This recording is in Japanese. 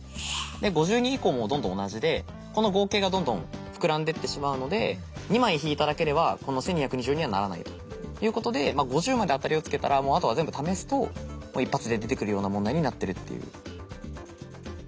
で５２以降もどんどん同じでこの合計がどんどん膨らんでってしまうので２枚引いただけではこの１，２２４にはならないということで５０まで当たりをつけたらあとはもう全部試すと１発で出てくるような問題になってるっていう。